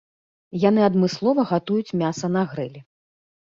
Яны адмыслова гатуюць мяса на грылі.